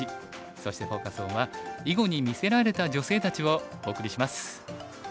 そしてフォーカス・オンは「囲碁に魅せられた女性たち」をお送りします。